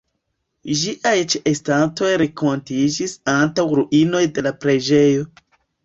Ĝiaj ĉeestantoj renkontiĝis antaŭ ruinoj de la preĝejo.